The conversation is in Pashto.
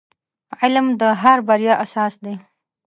• علم د هر بریا اساس دی.